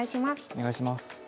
お願いします。